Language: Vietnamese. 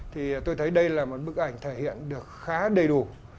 thì tôi thấy đây là một bức ảnh thể hiện được khá đầy đủ